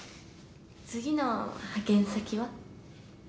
次の派遣先は？